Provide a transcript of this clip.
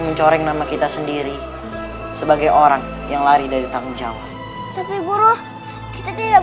mencoreng nama kita sendiri sebagai orang yang lari dari tanggung jawab tapi buruh kita dia